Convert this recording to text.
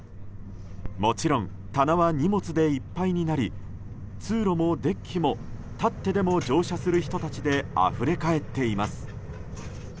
もちろん棚は荷物でいっぱいになり通路もデッキも立ってでも乗車する人たちであふれ返っています。